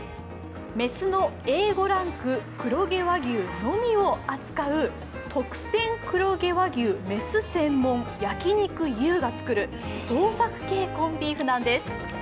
雌のＡ５ランク黒毛和牛のみを扱う特選黒毛和牛牝専門焼肉Ｕが作る創作系コンビーフなんです。